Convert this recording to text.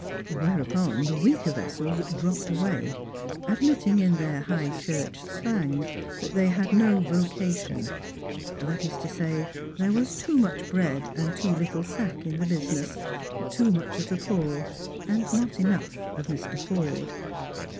Whereupon the weaker vessels dropped away, admitting in their High Church slang that they had no " vocation ;" that is to say, there was too much bread and too little sack in the business, too much of the poor and not enough of Mr. Forde.